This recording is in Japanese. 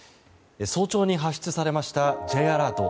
早朝に発出されましたＪアラート。